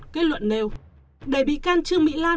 kết luận nêu để bị can trương mỹ lan